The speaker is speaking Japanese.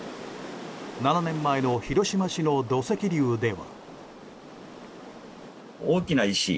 ７年前の広島市の土石流では。